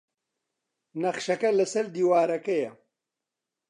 نەخشەکە لەسەر دیوارەکەیە.